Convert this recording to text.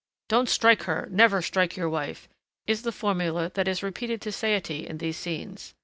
Don't strike her! never strike your wife! is the formula that is repeated to satiety in these scenes.